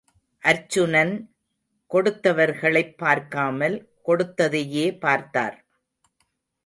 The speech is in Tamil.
அர்ச்சுனன், கொடுத்தவர்களைப் பார்க்காமல், கொடுத்ததையே பார்த்தார்.